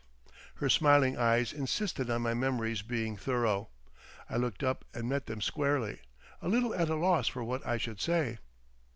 Her smiling eyes insisted on my memories being thorough. I looked up and met them squarely, a little at a loss for what I should say.